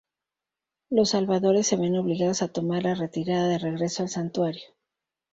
Los Salvadores se ven obligados a tomar la retirada de regreso al Santuario.